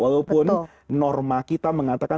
walaupun norma kita mengatakan